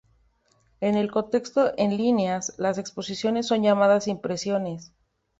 En el contexto en línea, las exposiciones son llamadas "impresiones".